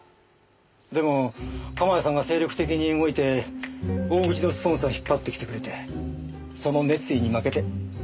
でも鎌谷さんが精力的に動いて大口のスポンサー引っ張ってきてくれてその熱意に負けて。